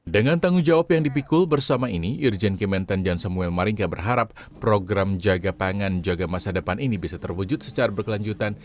dengan tanggung jawab yang dipikul bersama ini irjen kementan jan samuel maringka berharap program jaga pangan jaga masa depan ini bisa terwujud secara berkelanjutan